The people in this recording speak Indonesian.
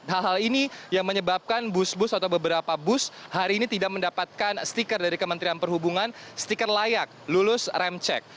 hal hal ini yang menyebabkan bus bus atau beberapa bus hari ini tidak mendapatkan stiker dari kementerian perhubungan stiker layak lulus rem cek